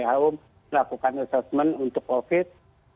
who melakukan assessment untuk covid